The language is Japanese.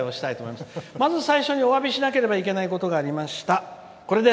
まず最初におわびしなければいけないことがありました。